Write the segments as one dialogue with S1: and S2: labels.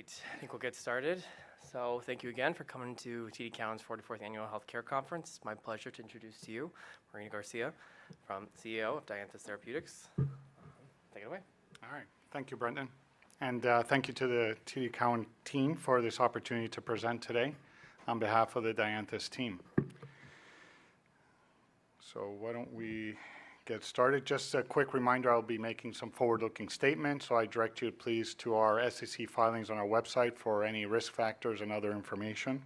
S1: All right, I think we'll get started. So thank you again for coming to TD Cowen's 44th Annual Healthcare Conference. It's my pleasure to introduce to you Marino Garcia, President and CEO of Dianthus Therapeutics. Take it away.
S2: All right. Thank you, Brandon. Thank you to the TD Cowen team for this opportunity to present today on behalf of the Dianthus team. Why don't we get started? Just a quick reminder, I'll be making some forward-looking statements, so I direct you, please, to our SEC filings on our website for any risk factors and other information.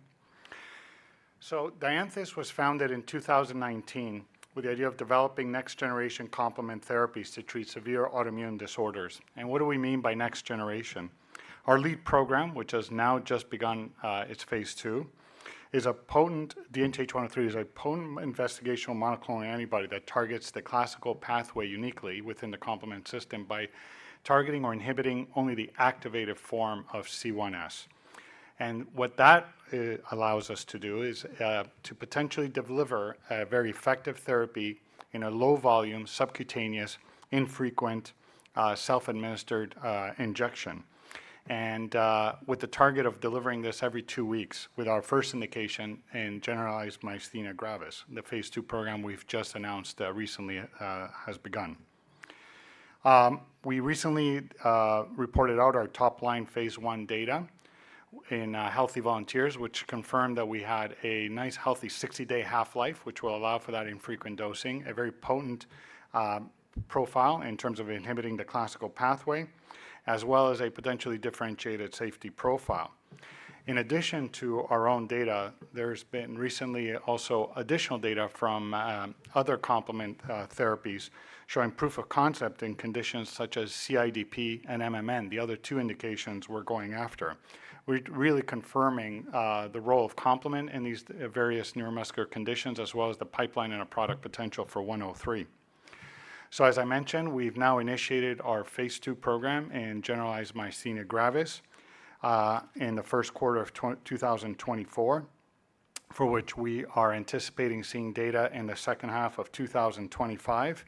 S2: Dianthus was founded in 2019 with the idea of developing next-generation complement therapies to treat severe autoimmune disorders. What do we mean by next generation? Our lead program, which has now just begun its phase II, is a potent DNTH103 investigational monoclonal antibody that targets the classical pathway uniquely within the complement system by targeting or inhibiting only the active form of C1s. What that allows us to do is to potentially deliver a very effective therapy in a low-volume, subcutaneous, infrequent self-administered injection, and with the target of delivering this every two weeks with our first indication in generalized myasthenia gravis, the phase II program we've just announced recently has begun. We recently reported out our top-line phase I data in healthy volunteers, which confirmed that we had a nice, healthy 60-day half-life, which will allow for that infrequent dosing, a very potent profile in terms of inhibiting the classical pathway, as well as a potentially differentiated safety profile. In addition to our own data, there's been recently also additional data from other complement therapies showing proof of concept in conditions such as CIDP and MMN, the other two indications we're going after, really confirming the role of complement in these various neuromuscular conditions as well as the pipeline and a product potential for 103. So as I mentioned, we've now initiated our phase II program in generalized myasthenia gravis in the first quarter of 2024, for which we are anticipating seeing data in the second half of 2025.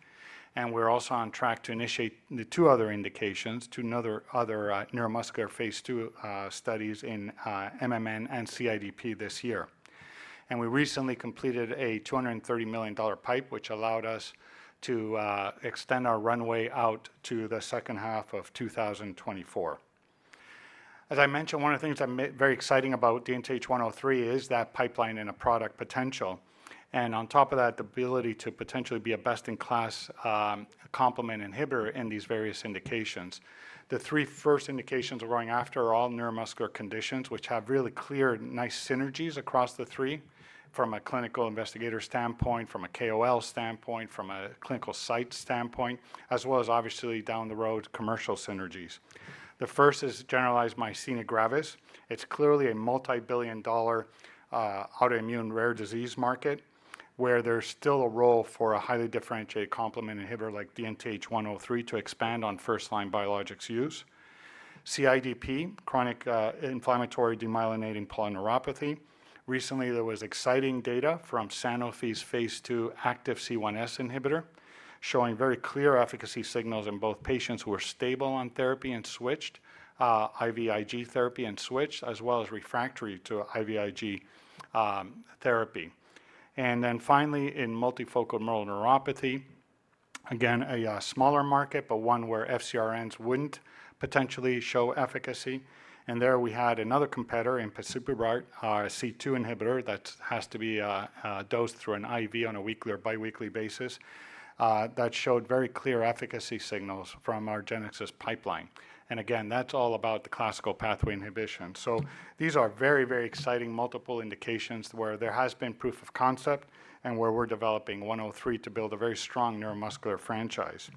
S2: And we're also on track to initiate the two other indications to other neuromuscular phase II studies in MMN and CIDP this year. And we recently completed a $230 million PIPE, which allowed us to extend our runway out to the second half of 2024. As I mentioned, one of the things that's very exciting about DNTH103 is that pipeline and a product potential. And on top of that, the ability to potentially be a best-in-class complement inhibitor in these various indications. The three first indications we're going after are all neuromuscular conditions, which have really clear, nice synergies across the three from a clinical investigator standpoint, from a KOL standpoint, from a clinical site standpoint, as well as, obviously, down the road, commercial synergies. The first is generalized myasthenia gravis. It's clearly a $multi-billion autoimmune rare disease market where there's still a role for a highly differentiated complement inhibitor like DNTH-103 to expand on first-line biologics use. CIDP, chronic inflammatory demyelinating polyneuropathy. Recently, there was exciting data from Sanofi's phase II active C1s inhibitor showing very clear efficacy signals in both patients who were stable on therapy and switched, IVIG therapy and switched, as well as refractory to IVIG therapy. And then finally, in multifocal motor neuropathy, again, a smaller market but one where FcRns wouldn't potentially show efficacy. And there we had another competitor, argenx, a C2 inhibitor that has to be dosed through an IV on a weekly or biweekly basis that showed very clear efficacy signals from our argenx pipeline. And again, that's all about the classical pathway inhibition. So these are very, very exciting multiple indications where there has been proof of concept and where we're developing 103 to build a very strong neuromuscular franchise.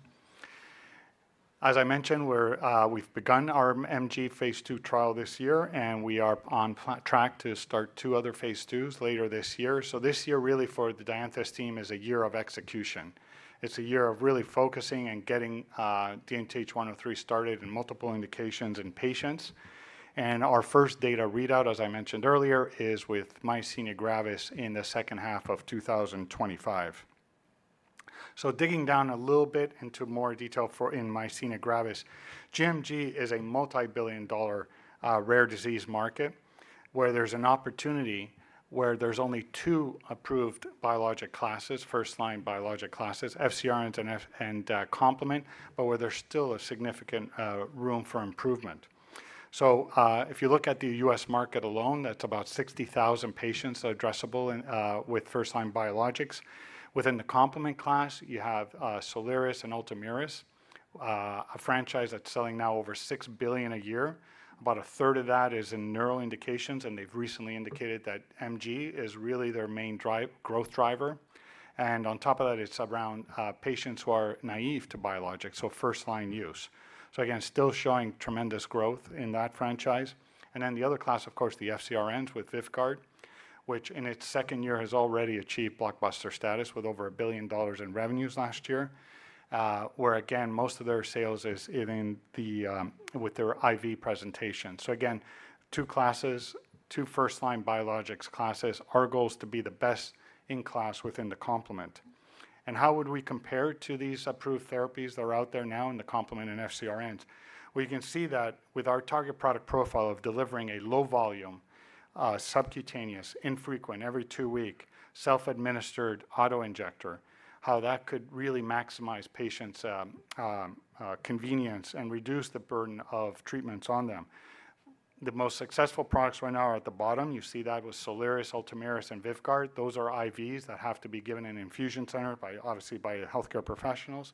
S2: As I mentioned, we've begun our MG phase II trial this year, and we are on track to start two other phase IIs later this year. So this year, really, for the Dianthus team is a year of execution. It's a year of really focusing and getting DNTH103 started in multiple indications in patients. And our first data readout, as I mentioned earlier, is with myasthenia gravis in the second half of 2025. So digging down a little bit into more detail in myasthenia gravis, GMG is a multi-billion dollar rare disease market where there's an opportunity where there's only two approved biologic classes, first-line biologic classes, FcRns and complement, but where there's still a significant room for improvement. So if you look at the U.S. market alone, that's about 60,000 patients addressable with first-line biologics. Within the complement class, you have Soliris and Ultomiris, a franchise that's selling now over $6 billion a year. About a third of that is in neuro indications, and they've recently indicated that MG is really their main growth driver. And on top of that, it's around patients who are naive to biologics, so first-line use. So again, still showing tremendous growth in that franchise. And then the other class, of course, the FcRns with Vyvgart, which in its second year has already achieved blockbuster status with over $1 billion in revenues last year, where again, most of their sales is with their IV presentation. So again, two classes, two first-line biologics classes, our goal is to be the best in class within the complement. And how would we compare to these approved therapies that are out there now in the complement and FcRns? We can see that with our target product profile of delivering a low-volume, subcutaneous, infrequent, every 2-week self-administered autoinjector, how that could really maximize patients' convenience and reduce the burden of treatments on them. The most successful products right now are at the bottom. You see that with Soliris, Ultomiris, and Vyvgart. Those are IVs that have to be given in an infusion center, obviously, by healthcare professionals.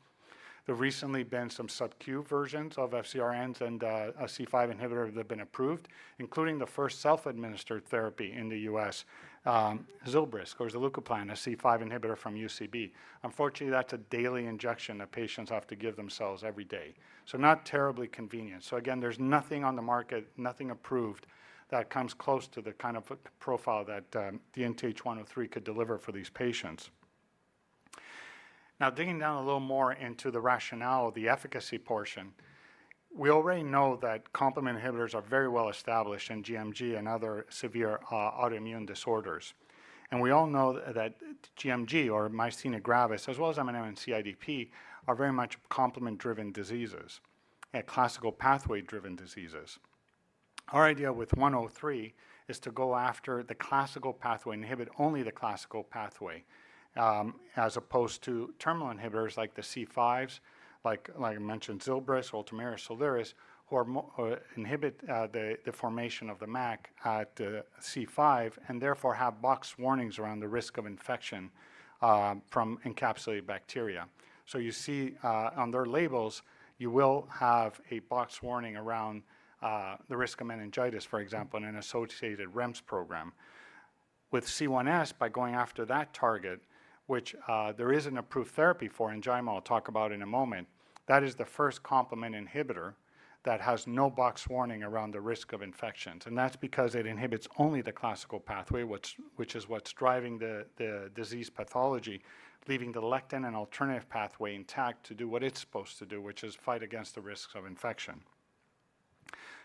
S2: There've recently been some Sub-Q versions of FcRns and a C5 inhibitor that have been approved, including the first self-administered therapy in the U.S., Zilbrysq, or zilucoplan, a C5 inhibitor from UCB. Unfortunately, that's a daily injection that patients have to give themselves every day. So again, there's nothing on the market, nothing approved, that comes close to the kind of profile that DNTH103 could deliver for these patients. Now, digging down a little more into the rationale, the efficacy portion, we already know that complement inhibitors are very well established in GMG and other severe autoimmune disorders. We all know that GMG or myasthenia gravis, as well as MMN and CIDP, are very much complement-driven diseases, classical pathway-driven diseases. Our idea with 103 is to go after the classical pathway, inhibit only the classical pathway, as opposed to terminal inhibitors like the C5s, like I mentioned, Zilbrysq, Ultomiris, Soliris, who inhibit the formation of the MAC at C5 and therefore have box warnings around the risk of infection from encapsulated bacteria. So you see on their labels, you will have a box warning around the risk of meningitis, for example, and an associated REMS program. With C1s, by going after that target, which there is an approved therapy for, and Jaime will talk about in a moment, that is the first complement inhibitor that has no box warning around the risk of infections. That's because it inhibits only the classical pathway, which is what's driving the disease pathology, leaving the lectin and alternative pathway intact to do what it's supposed to do, which is fight against the risks of infection.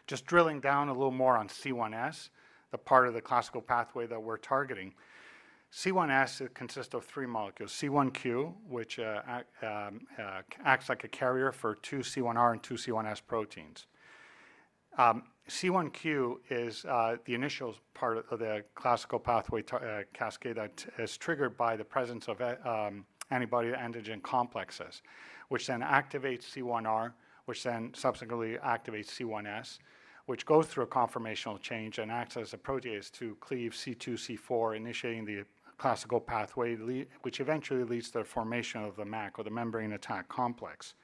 S2: Just drilling down a little more on C1s, the part of the classical pathway that we're targeting, C1s consists of three molecules: C1q, which acts like a carrier for two C1r and two C1s proteins. C1q is the initial part of the classical pathway cascade that is triggered by the presence of antibody-antigen complexes, which then activates C1r, which then subsequently activates C1s, which goes through a conformational change and acts as a protease to cleave C2, C4, initiating the classical pathway, which eventually leads to the formation of the MAC or the membrane attack complex.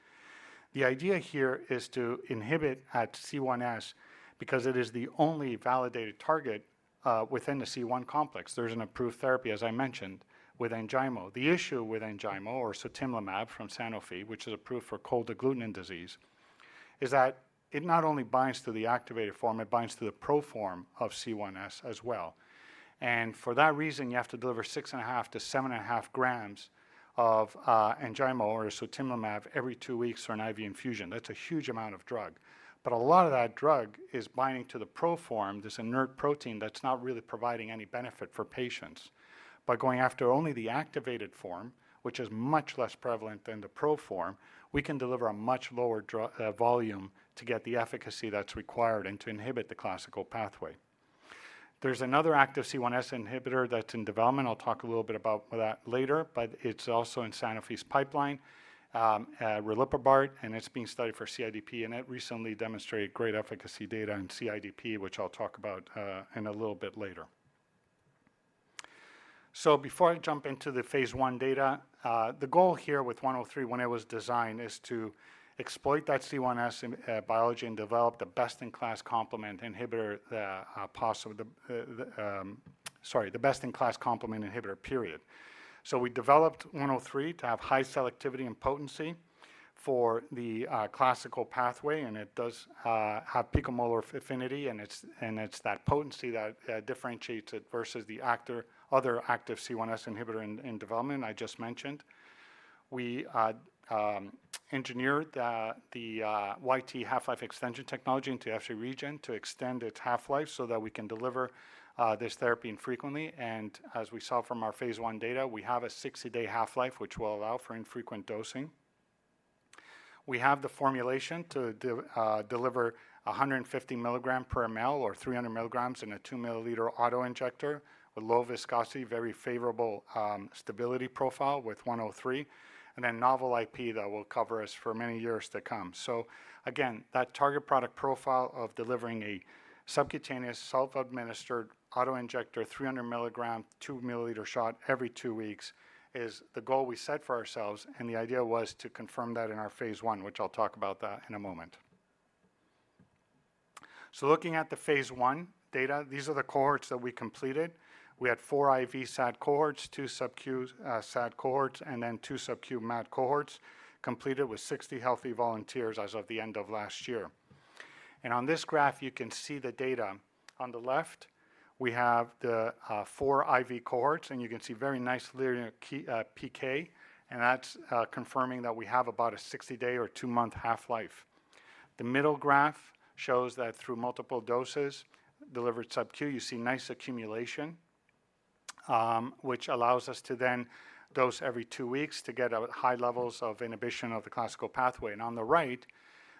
S2: The idea here is to inhibit at C1s because it is the only validated target within the C1 complex. There's an approved therapy, as I mentioned, with ENJAYMO. The issue with ENJAYMO or sutimlimab from Sanofi, which is approved for cold agglutinin disease, is that it not only binds to the activated form, it binds to the proform of C1s as well. For that reason, you have to deliver 6.5-7.5 grams of ENJAYMO or sutimlimab every two weeks for an IV infusion. That's a huge amount of drug. But a lot of that drug is binding to the proform, this inert protein that's not really providing any benefit for patients. By going after only the activated form, which is much less prevalent than the proform, we can deliver a much lower volume to get the efficacy that's required and to inhibit the classical pathway. There's another active C1s inhibitor that's in development. I'll talk a little bit about that later, but it's also in Sanofi's pipeline, riliprubart, and it's being studied for CIDP. And it recently demonstrated great efficacy data in CIDP, which I'll talk about in a little bit later. So before I jump into the phase I data, the goal here with 103, when it was designed, is to exploit that C1s biology and develop the best-in-class complement inhibitor possible sorry, the best-in-class complement inhibitor, period. So we developed 103 to have high selectivity and potency for the classical pathway, and it does have picomolar affinity, and it's that potency that differentiates it versus the other active C1s inhibitor in development I just mentioned. We engineered the YTE half-life extension technology into Fc region to extend its half-life so that we can deliver this therapy infrequently. And as we saw from our phase I data, we have a 60-day half-life, which will allow for infrequent dosing. We have the formulation to deliver 150 mg per mL or 300 mg in a 2 mL autoinjector with low viscosity, very favorable stability profile with 103, and then novel IP that will cover us for many years to come. So again, that target product profile of delivering a subcutaneous self-administered autoinjector 300 mg, 2 mL shot every two weeks is the goal we set for ourselves. The idea was to confirm that in our phase I, which I'll talk about that in a moment. Looking at the phase I data, these are the cohorts that we completed. We had 4 IV SAD cohorts, 2 Sub-Q SAD cohorts, and then 2 Sub-Q MAD cohorts completed with 60 healthy volunteers as of the end of last year. On this graph, you can see the data. On the left, we have the 4 IV cohorts, and you can see very nice linear PK, and that's confirming that we have about a 60-day or 2-month half-life. The middle graph shows that through multiple doses delivered Sub-Q, you see nice accumulation, which allows us to then dose every 2 weeks to get high levels of inhibition of the classical pathway. On the right,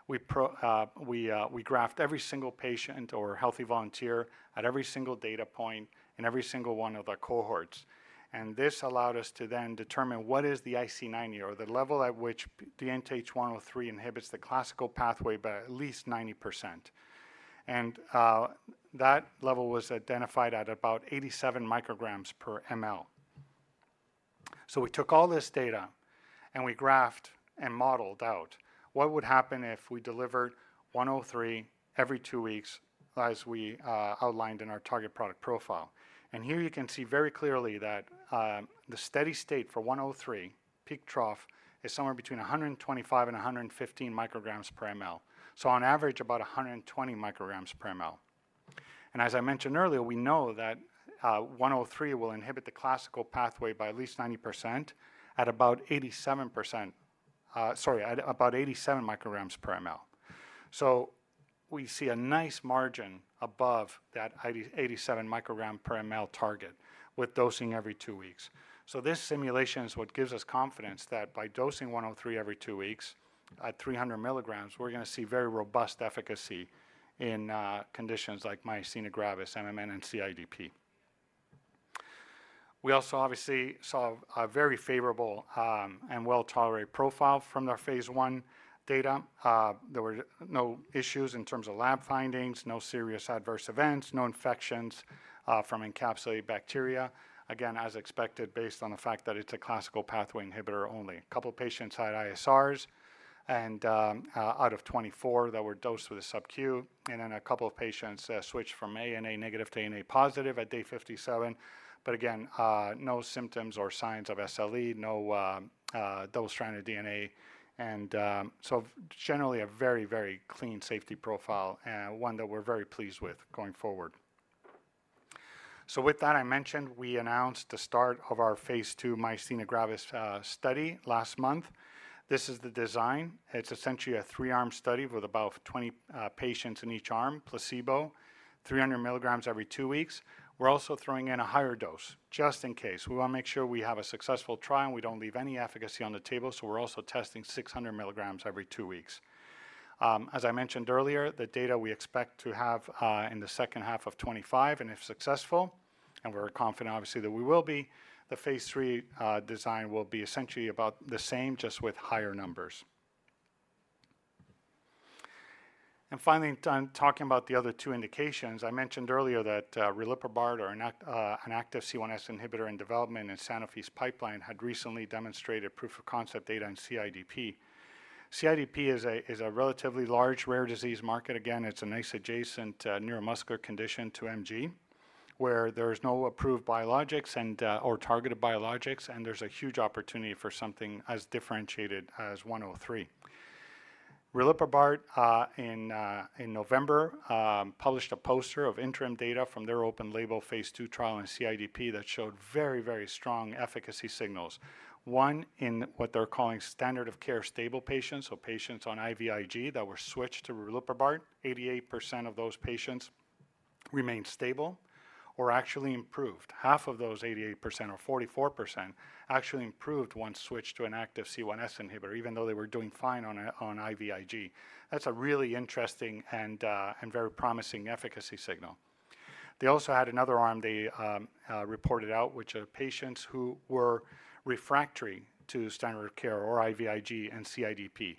S2: we graphed every single patient or healthy volunteer at every single data point in every single one of the cohorts. This allowed us to then determine what is the IC90 or the level at which DNTH103 inhibits the classical pathway by at least 90%. That level was identified at about 87 micrograms per mL. So we took all this data, and we graphed and modeled out what would happen if we delivered 103 every two weeks as we outlined in our target product profile. Here you can see very clearly that the steady state for 103, peak trough, is somewhere between 125 and 115 micrograms per mL. So on average, about 120 micrograms per mL. As I mentioned earlier, we know that 103 will inhibit the classical pathway by at least 90% at about 87% sorry, at about 87 micrograms per mL. So we see a nice margin above that 87 microgram per mL target with dosing every two weeks. So this simulation is what gives us confidence that by dosing 103 every two weeks at 300 milligrams, we're going to see very robust efficacy in conditions like myasthenia gravis, MMN, and CIDP. We also obviously saw a very favorable and well-tolerated profile from our phase I data. There were no issues in terms of lab findings, no serious adverse events, no infections from encapsulated bacteria. Again, as expected, based on the fact that it's a classical pathway inhibitor only. A couple of patients had ISRs, and out of 24 that were dosed with a Sub-Q, and then a couple of patients switched from ANA negative to ANA positive at day 57. But again, no symptoms or signs of SLE, no double-stranded DNA. So generally, a very, very clean safety profile, one that we're very pleased with going forward. So with that, I mentioned, we announced the start of our phase II myasthenia gravis study last month. This is the design. It's essentially a 3-arm study with about 20 patients in each arm, placebo, 300 mg every 2 weeks. We're also throwing in a higher dose just in case. We want to make sure we have a successful trial and we don't leave any efficacy on the table. So we're also testing 600 mg every 2 weeks. As I mentioned earlier, the data we expect to have in the second half of 2025, and if successful, and we're confident obviously that we will be, the phase 3 design will be essentially about the same, just with higher numbers. And finally, talking about the other two indications, I mentioned earlier that riliprubart, an active C1s inhibitor in development in Sanofi's pipeline, had recently demonstrated proof of concept data in CIDP. CIDP is a relatively large rare disease market. Again, it's a nice adjacent neuromuscular condition to MG where there's no approved biologics or targeted biologics, and there's a huge opportunity for something as differentiated as 103. Riliprubart, in November, published a poster of interim data from their open label phase II trial in CIDP that showed very, very strong efficacy signals, one in what they're calling standard of care stable patients, so patients on IVIG that were switched to riliprubart. 88% of those patients remained stable or actually improved. Half of those 88%, or 44%, actually improved once switched to an active C1s inhibitor, even though they were doing fine on IVIG. That's a really interesting and very promising efficacy signal. They also had another arm they reported out, which are patients who were refractory to standard of care or IVIG and CIDP.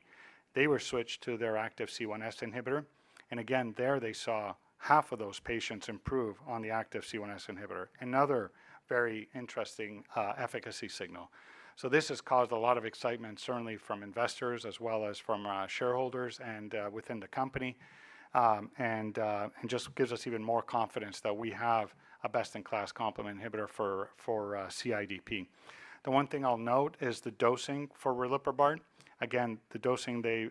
S2: They were switched to their active C1s inhibitor. And again, there they saw half of those patients improve on the active C1s inhibitor, another very interesting efficacy signal. So this has caused a lot of excitement, certainly from investors as well as from shareholders and within the company, and just gives us even more confidence that we have a best-in-class complement inhibitor for CIDP. The one thing I'll note is the dosing for riliprubart. Again, the dosing they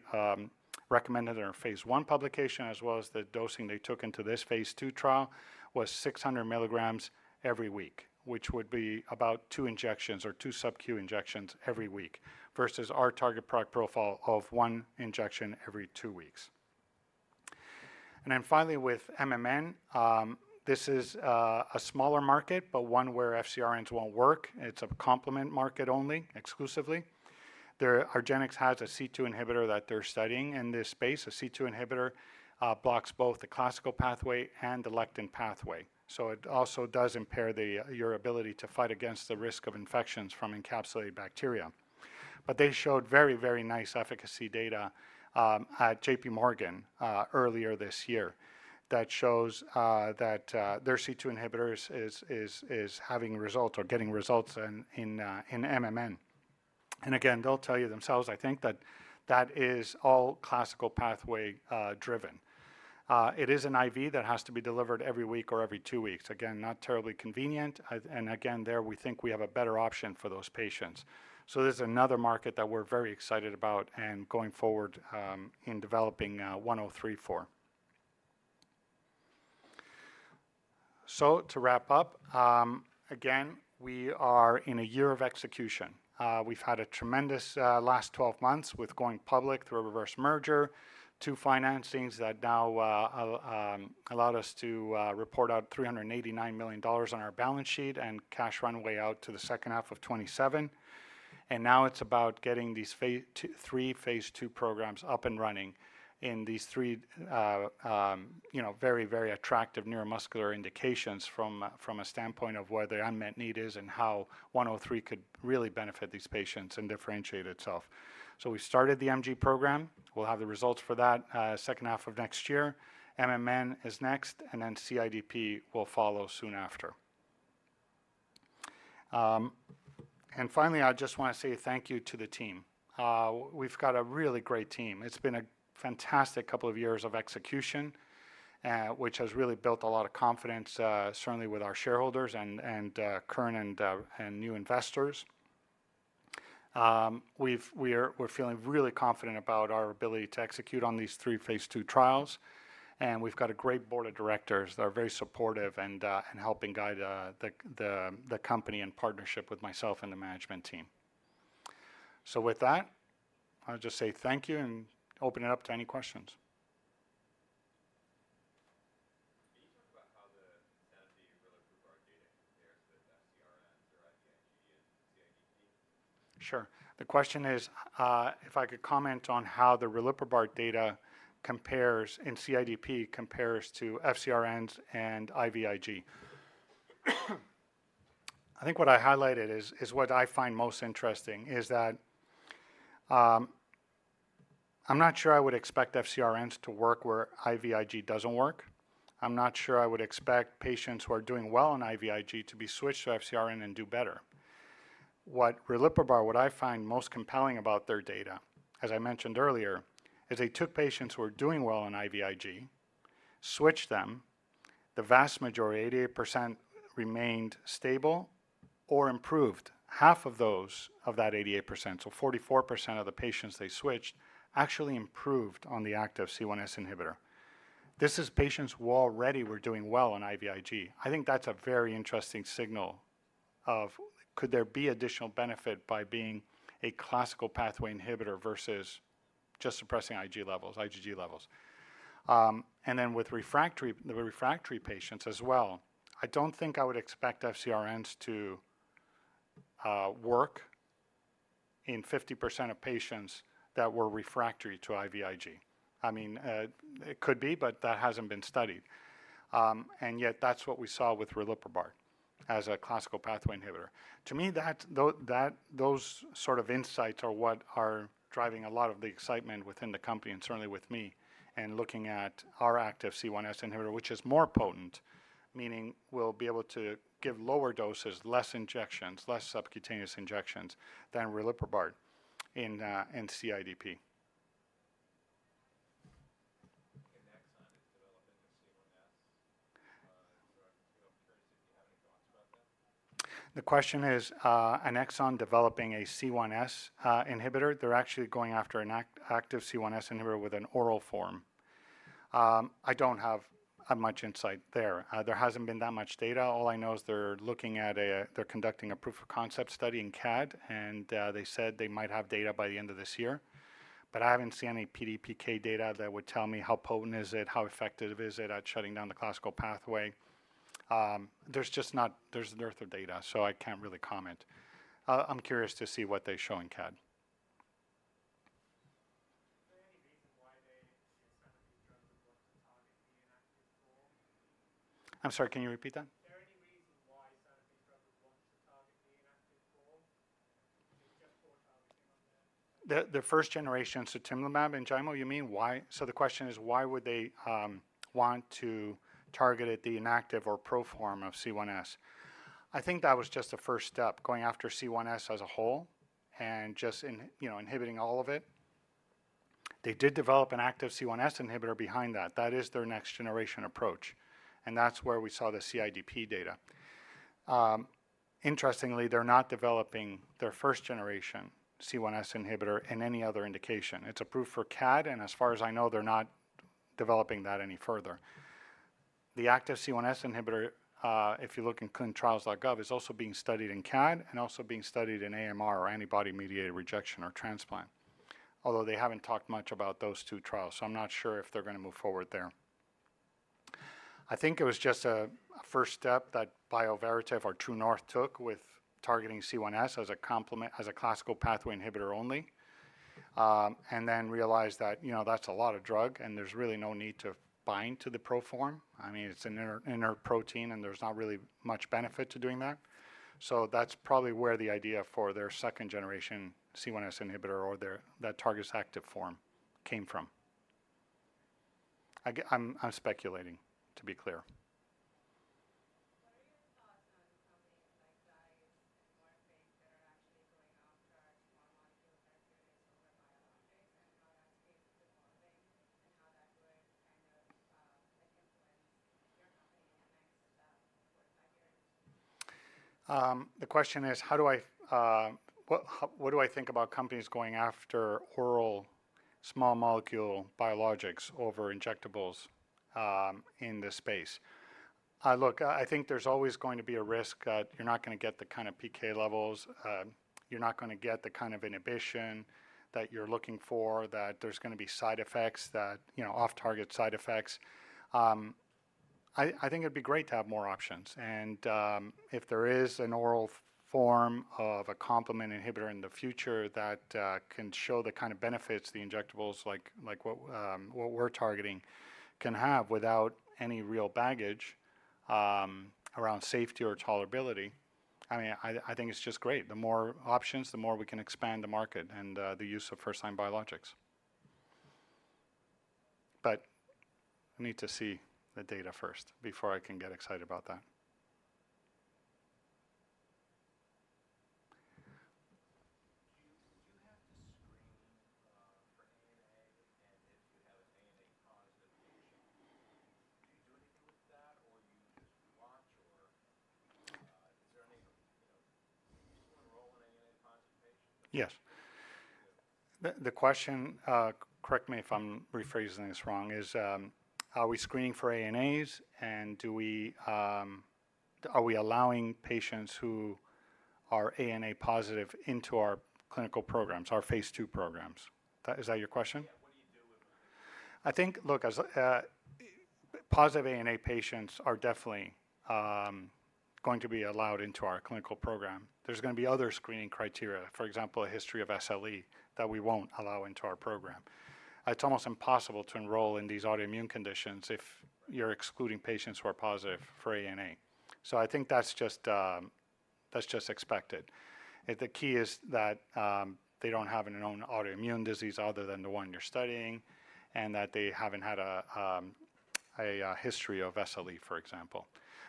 S2: recommended in our phase I publication, as well as the dosing they took into this phase II trial, was 600 milligrams every week, which would be about 2 injections or 2 Sub-Q injections every week versus our target product profile of 1 injection every 2 weeks. Then finally, with MMN, this is a smaller market but one where FcRns won't work. It's a complement market only, exclusively. argenx has a C2 inhibitor that they're studying in this space. A C2 inhibitor blocks both the classical pathway and the lectin pathway. So it also does impair your ability to fight against the risk of infections from encapsulated bacteria. But they showed very, very nice efficacy data at JPMorgan earlier this year that shows that their C2 inhibitor is having results or getting results in MMN. Again, they'll tell you themselves, I think, that that is all classical pathway driven. It is an IV that has to be delivered every week or every two weeks. Again, not terribly convenient. And again, there we think we have a better option for those patients. So this is another market that we're very excited about and going forward in developing 103 for. So to wrap up, again, we are in a year of execution. We've had a tremendous last 12 months with going public through a reverse merger, two financings that now allowed us to report out $389 million on our balance sheet and cash runway out to the second half of 2027. Now it's about getting these three phase II programs up and running in these three very, very attractive neuromuscular indications from a standpoint of where the unmet need is and how 103 could really benefit these patients and differentiate itself. We started the MG program. We'll have the results for that second half of next year. MMN is next, and then CIDP will follow soon after. Finally, I just want to say thank you to the team. We've got a really great team. It's been a fantastic couple of years of execution, which has really built a lot of confidence, certainly with our shareholders and current and new investors. We're feeling really confident about our ability to execute on these three phase II trials. We've got a great board of directors that are very supportive and helping guide the company in partnership with myself and the management team. With that, I'll just say thank you and open it up to any questions.
S1: Can you talk about how the Sanofi riliprubart data compares with FcRns or IVIG and CIDP?
S2: Sure. The question is if I could comment on how the riliprubart data compares in CIDP compares to FcRns and IVIG. I think what I highlighted is what I find most interesting, is that I'm not sure I would expect FcRns to work where IVIG doesn't work. I'm not sure I would expect patients who are doing well on IVIG to be switched to FcRn and do better. What riliprubart, what I find most compelling about their data, as I mentioned earlier, is they took patients who were doing well on IVIG, switched them. The vast majority, 88%, remained stable or improved. Half of those of that 88%, so 44% of the patients they switched, actually improved on the active C1s inhibitor. This is patients who already were doing well on IVIG. I think that's a very interesting signal of could there be additional benefit by being a classical pathway inhibitor versus just suppressing IgG levels, IgG levels. And then with refractory patients as well, I don't think I would expect FcRns to work in 50% of patients that were refractory to IVIG. I mean, it could be, but that hasn't been studied. And yet that's what we saw with riliprubart as a classical pathway inhibitor. To me, those sort of insights are what are driving a lot of the excitement within the company and certainly with me in looking at our active C1s inhibitor, which is more potent, meaning we'll be able to give lower doses, less injections, less subcutaneous injections than riliprubart in CIDP.
S1: Alexion is developing a C1s. I'm curious if you have any thoughts about that?
S2: The question is Alexion developing a C1s inhibitor. They're actually going after an active C1s inhibitor with an oral form. I don't have much insight there. There hasn't been that much data. All I know is they're conducting a proof of concept study in CAD, and they said they might have data by the end of this year. But I haven't seen any PK/PD data that would tell me how potent is it, how effective is it at shutting down the classical pathway. There's just not a dearth of data, so I can't really comment. I'm curious to see what they show in CAD.
S1: Is there any reason why Sanofi's drugs would launch to target the inactive form?
S2: I'm sorry. Can you repeat that?
S1: Is there any reason why Sanofi's drugs would latch onto the inactive form? It's just poor targeting on their.
S2: The first generation, so sutimlimab and ENJAYMO, you mean why? So the question is why would they want to target it, the inactive or pro form of C1s? I think that was just a first step, going after C1s as a whole and just inhibiting all of it. They did develop an active C1s inhibitor behind that. That is their next generation approach. And that's where we saw the CIDP data. Interestingly, they're not developing their first generation C1s inhibitor in any other indication. It's approved for CAD, and as far as I know, they're not developing that any further. The active C1s inhibitor, if you look in ClinicalTrials.gov, is also being studied in CAD and also being studied in AMR or antibody-mediated rejection or transplant, although they haven't talked much about those two trials. So I'm not sure if they're going to move forward there. I think it was just a first step that Bioverativ or True North took with targeting C1s as a complement, as a classical pathway inhibitor only, and then realized that that's a lot of drug and there's really no need to bind to the pro form. I mean, it's an inert protein, and there's not really much benefit to doing that. So that's probably where the idea for their second generation C1s inhibitor or that targets active form came from. I'm speculating, to be clear.
S1: What are your thoughts on companies like DICE and Morphic that are actually going after small-molecule therapeutics over biologics and how that's evolving and how that would kind of influence your company in the next 4-5 years?
S2: The question is, what do I think about companies going after oral small molecule biologics over injectables in this space? Look, I think there's always going to be a risk that you're not going to get the kind of PK levels. You're not going to get the kind of inhibition that you're looking for, that there's going to be side effects, that off-target side effects. I think it'd be great to have more options. And if there is an oral form of a complement inhibitor in the future that can show the kind of benefits the injectables, like what we're targeting, can have without any real baggage around safety or tolerability, I mean, I think it's just great. The more options, the more we can expand the market and the use of first-line biologics. But I need to see the data first before I can get excited about that.
S1: Do you have to screen for ANA and if you have an ANA-positive patient? Do you do anything with that or you just watch or are you still enrolled in ANA-positive patients?
S2: Yes. The question, correct me if I'm rephrasing this wrong, is: are we screening for ANAs and are we allowing patients who are ANA-positive into our clinical programs, our phase II programs? Is that your question?
S1: Yeah. What do you do with those?
S2: I think, look, positive ANA patients are definitely going to be allowed into our clinical program. There's going to be other screening criteria, for example, a history of SLE that we won't allow into our program. It's almost impossible to enroll in these autoimmune conditions if you're excluding patients who are positive for ANA. So I think that's just expected. The key is that they don't have an own autoimmune disease other than the one you're studying and that they haven't had a history of SLE, for example.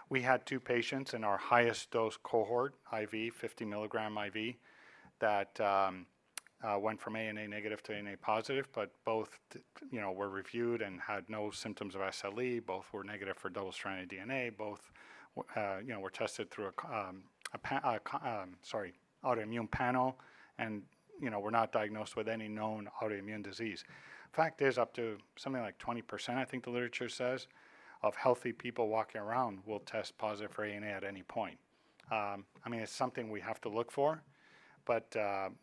S2: We had two patients in our highest dose cohort, IV, 50 mg IV, that went from ANA negative to ANA positive, but both were reviewed and had no symptoms of SLE. Both were negative for double-stranded DNA. Both were tested through an autoimmune panel and were not diagnosed with any known autoimmune disease. Fact is, up to something like 20%, I think the literature says, of healthy people walking around will test positive for ANA at any point. I mean, it's something we have to look for, but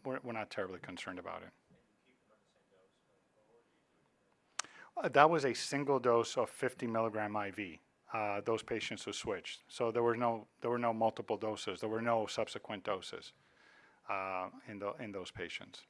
S2: we're not terribly concerned about it.
S1: You keep them on the same dose going forward or you do anything?
S2: That was a single dose of 50 milligram IV. Those patients were switched. So there were no multiple doses. There were no subsequent doses in those patients.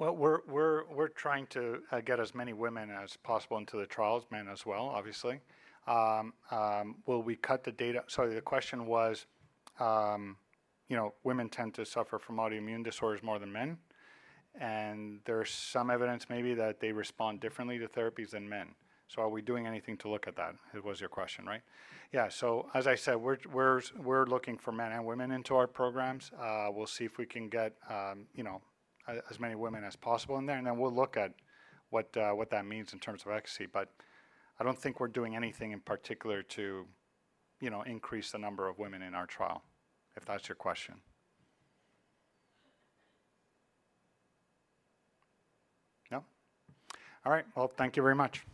S1: Thank you.
S2: Okay.
S1: Just another question out of curiosity. A lot of these autoimmune diseases tend to affect women differently than men. I'm curious to just know, see if you guys have done any studies on that because I think there are a couple of studies that kind of sound out of care. Women don't improve as much as men. So I'm curious what your take is on that?
S2: Well, we're trying to get as many women as possible into the trials, men as well, obviously. Will we cut the data? Sorry, the question was women tend to suffer from autoimmune disorders more than men, and there's some evidence maybe that they respond differently to therapies than men. So are we doing anything to look at that? It was your question, right? Yeah. So as I said, we're looking for men and women into our programs. We'll see if we can get as many women as possible in there, and then we'll look at what that means in terms of efficacy. But I don't think we're doing anything in particular to increase the number of women in our trial, if that's your question. No? All right. Well, thank you very much.
S1: Thank you.